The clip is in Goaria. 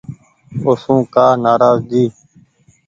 اوسون ڪآ نآراز جي ۔